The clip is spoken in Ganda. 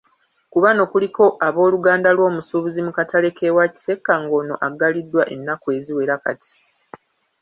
Ku bano kuliko abooluganda lw’omusuubuzi mu katale k’ewa Kisekka ng’ono aggaliddwa ennaku eziwera kati.